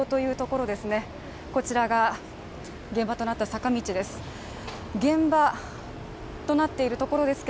こちらが現場となった坂道です。